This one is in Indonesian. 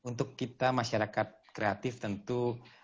dan untuk kita masyarakat kreatif tentu